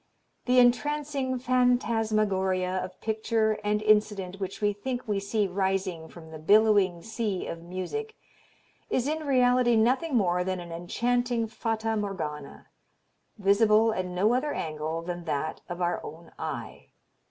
"The entrancing phantasmagoria of picture and incident which we think we see rising from the billowing sea of music is in reality nothing more than an enchanting fata morgana, visible at no other angle than that of our own eye.